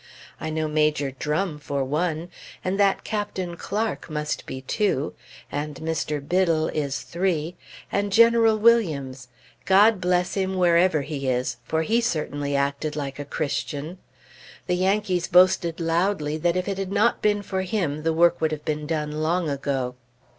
I know Major Drum for one, and that Captain Clark must be two, and Mr. Biddle is three, and General Williams God bless him, wherever he is! for he certainly acted like a Christian. The Yankees boasted loudly that if it had not been for him, the work would have been done long ago.